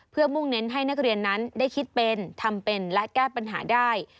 เพื่อมุ่งเน้นให้นักเรียนนั้นได้คิดเป็นทำเป็นและแก้ปัญหาได้